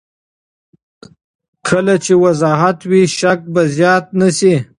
کله چې وضاحت وي، شک به زیات نه شي.